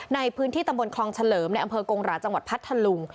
ในพื้นที่ตำบลคลองเฉลิมในอำเภอกงหราจังหวัดพัทธลุง